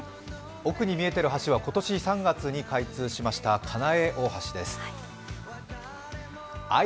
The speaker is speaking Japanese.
奥に見えている橋は今年３月に開通しましたかなえ大橋です。